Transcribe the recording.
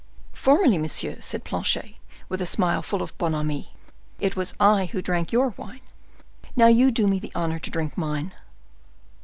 "Formerly, monsieur," said Planchet, with a smile full of bonhomie, "it was I who drank your wine; now you do me the honor to drink mine."